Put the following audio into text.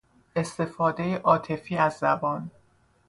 استفاده عاطفی از زبان